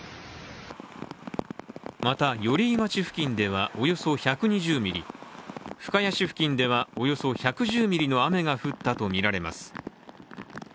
また、寄居町付近では、およそ１２０ミリ、深谷市付近ではおよそ１１０ミリの雨が降ったとみられます。